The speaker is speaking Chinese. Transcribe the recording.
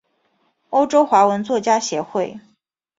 欧洲华文作家协会。